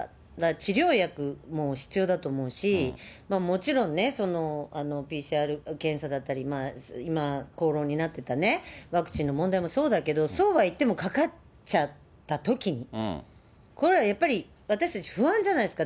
治療薬も必要だと思うし、もちろんね、そのＰＣＲ検査だったり、今、口論になってたワクチンの問題もそうだけど、そうはいってもかかっちゃったときに、これはやっぱり私たち不安じゃないですか。